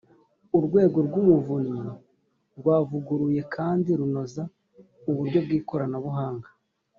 urwego rw umuvunyi rwavuguruye kandi runoza uburyo bw ikoranabuhanga